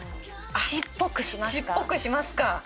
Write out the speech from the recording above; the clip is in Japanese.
血っぽくしますか。